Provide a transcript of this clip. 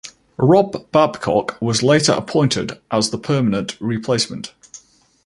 Rob Babcock was later appointed as the permanent replacement.